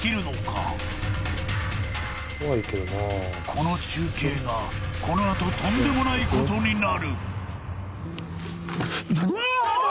この中継がこのあととんでもないことになるわーっ！